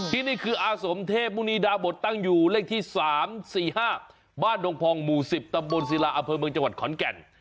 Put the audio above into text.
ที่นี่คืออาสมเทพมุณีดาบทตั้งอยู่เลขที่๓๔๕บ้านดงพองหมู่๑๐ตำบลศิลาอำเภอเมืองจังหวัดขอนแก่น